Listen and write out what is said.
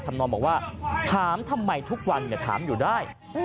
ทำนองบอกว่าถามทำไมทุกวันถามอยู่ได้